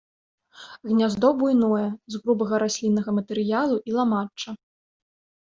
Гняздо буйное, з грубага расліннага матэрыялу і ламачча.